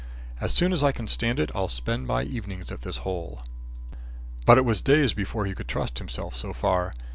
As soon as I can stand it, I'll spend my evenings at this hole." But it was days before he could trust himself so far.